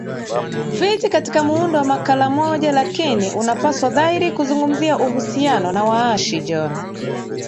fit katika muundo wa makala moja lakini unapaswa dhahiri kuzungumzia uhusiano na waashi John